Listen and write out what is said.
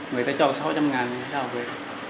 người ta cho sáu trăm linh ngàn thì sao về